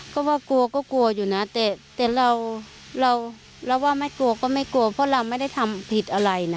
ก็ว่ากลัวก็กลัวอยู่นะแต่เราเราว่าไม่กลัวก็ไม่กลัวเพราะเราไม่ได้ทำผิดอะไรนะ